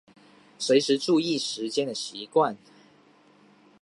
随时注意时间的习惯